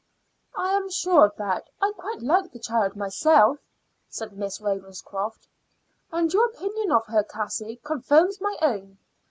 "I am sure of that. I quite like the child myself," said Miss Ravenscroft; "and your opinion of her, Cassie, confirms my own.